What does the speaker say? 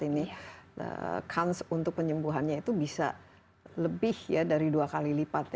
ini kans untuk penyembuhannya itu bisa lebih ya dari dua kali lipat